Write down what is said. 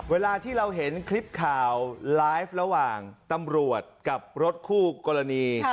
เวลาที่เราเห็นคลิปข่าวไลฟ์ระหว่างตำรวจกับรถคู่กรณี